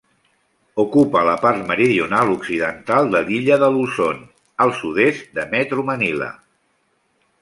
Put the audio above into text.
Ocupa la part meridional occidental de l'illa de Luzon, al sud-est de Metro Manila.